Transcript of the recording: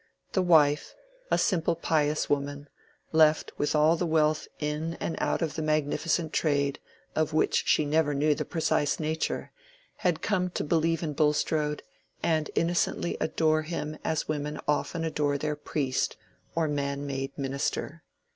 The wife, a simple pious woman, left with all the wealth in and out of the magnificent trade, of which she never knew the precise nature, had come to believe in Bulstrode, and innocently adore him as women often adore their priest or "man made" minister.